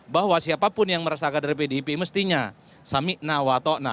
bahwa siapapun yang merasakan dari pdip mestinya samikna watokna